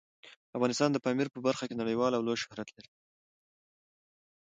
افغانستان د پامیر په برخه کې نړیوال او لوی شهرت لري.